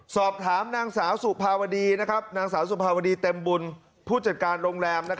สอบถามนางสาวสุภาวดีนางสาวสุภาวดีเต็มบุญผู้จัดการโรงแรม